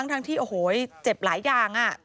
ทั้งที่โอ้โหเจ็บหลายอย่าง